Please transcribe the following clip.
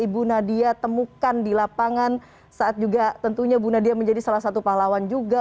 ibu nadia temukan di lapangan saat juga tentunya bu nadia menjadi salah satu pahlawan juga